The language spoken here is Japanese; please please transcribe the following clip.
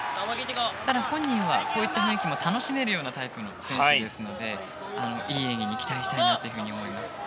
ただ、本人はこういった雰囲気も楽しめるタイプですのでいい演技に期待したいなと思います。